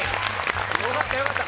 よかったよかった。